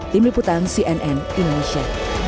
tim liputan cnn indonesia